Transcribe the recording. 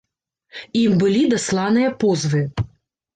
Ім былі дасланыя позвы.